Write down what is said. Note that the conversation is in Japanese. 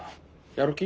やる気？